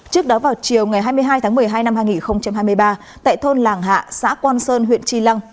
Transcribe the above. trước đó vào chiều hai mươi hai một mươi hai hai nghìn hai mươi ba tại thôn làng hạ xã quan sơn huyện chi lăng